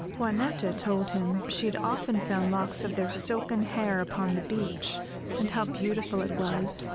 Juanetta told him she had often found locks of their silken hair upon the beach, and how beautiful it was.